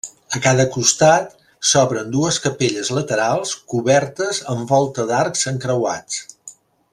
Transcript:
A cada costat s'obren dues capelles laterals cobertes amb volta d'arcs encreuats.